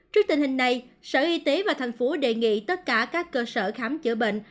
trước tình hình này sở y tế và thành phố đề nghị tất cả các cơ sở khám chữa bệnh